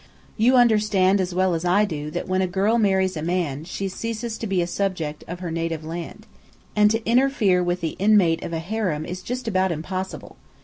You understand as well as I do that when a girl marries a man, she ceases to be a subject of her native land. And to interfere with the inmate of a harem is just about impossible.